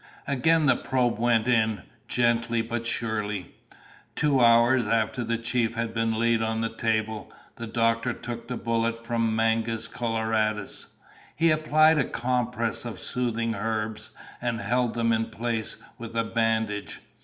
Again the probe went in, gently but surely. Two hours after the chief had been laid on the table, the doctor took the bullet from Mangus Coloradus. He applied a compress of soothing herbs and held them in place with a bandage.